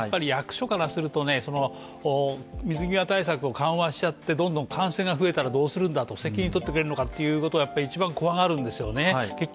役所からすると、水際対策を緩和しちゃってどんどん感染が増えたらどうするんだと、責任をとってくれるのかということを一番、怖がるんですよね